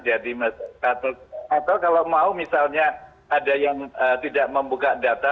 atau kalau mau misalnya ada yang tidak membuka data